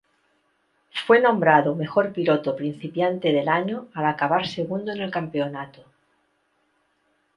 Fue nombrado mejor piloto principiante del año al acabar segundo en el campeonato.